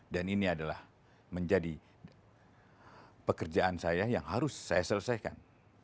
dan ini adalah menjadi pekerjaan saya yang harus saya selesaikan